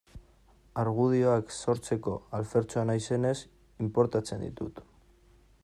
Argudioak sortzeko alfertxoa naizenez, inportatzen ditut.